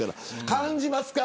感じますか。